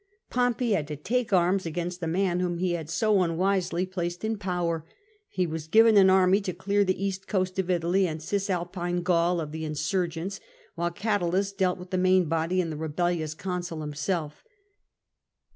Pompey had to take arms against the man whom he had so unwisely placed in power. He was given an army to clear the east coast of Italy and Cis alpine Gaul of the insurgents, while Catulus dealt with the main body and the rebellious consul himself.